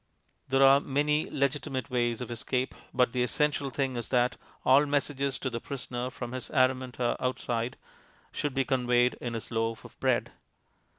There are many legitimate ways of escape, but the essential thing is that all messages to the prisoner from his Araminta outside should be conveyed in his loaf of bread.